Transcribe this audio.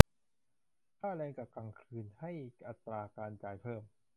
ค่าแรงกะกลางคืนให้อัตราการจ่ายเพิ่ม